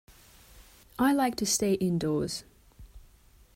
I like to stay indoors.